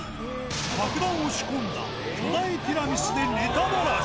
爆弾を仕込んだ巨大ティラミスでネタばらし。